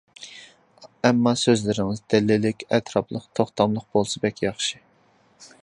ئەمما سۆزلىرىڭىز دەلىللىك، ئەتراپلىق، توختاملىق بولسا بەك ياخشى.